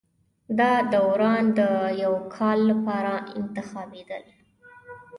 دا داوران د یوه کال لپاره انتخابېدل